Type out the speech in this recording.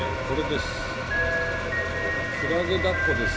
これです。